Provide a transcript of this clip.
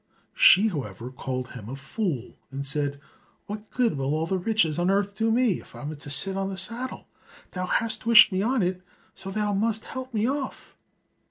She, however, called him a fool, and said, "What good will all the riches on earth do me, if I am to sit on this saddle? Thou hast wished me on it, so thou must help me off."